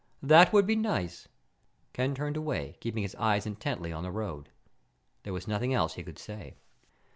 "That would be nice." Ken turned away, keeping his eyes intently on the road. There was nothing else he could say.